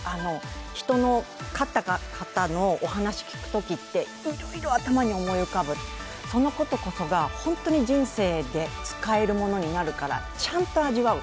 人の勝った方のお話を聞くときっていろいろ頭に思い浮かぶ、そのことこそが本当に人生で使えるものになるから、ちゃんと味わう。